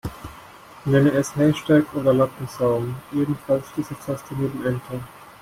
Nenn es Hashtag oder Lattenzaun, jedenfalls diese Taste neben Enter.